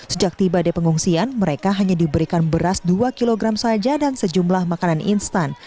sejak tiba di pengungsian mereka hanya diberikan beras dua kg saja dan sejumlah makanan instan